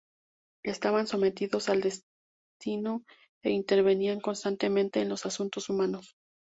Estaban sometidos al destino e intervenían constantemente en los asuntos humanos.